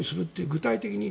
具体的に。